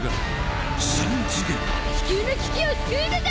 地球の危機を救うのだ！